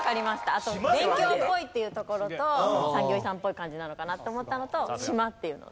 あと勉強っぽいっていうところと産業遺産っぽい感じなのかなと思ったのと島っていうので。